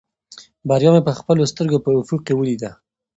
بریا مې په خپلو سترګو په افق کې ولیده.